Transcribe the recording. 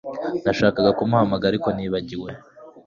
Nashakaga kumuhamagara ariko nibagiwe